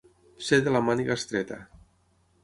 Ser de la màniga estreta.